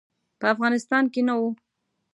په افغانستان کې نه وو.